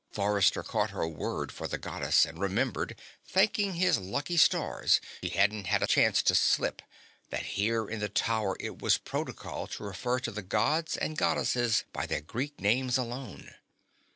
Forrester caught her word for the Goddess, and remembered, thanking his lucky stars he hadn't had a chance to slip, that here in the Tower it was protocol to refer to the Gods and Goddesses by their Greek names alone.